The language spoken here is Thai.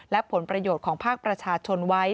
และผลประโยชน์ของภาคประชาชนไว้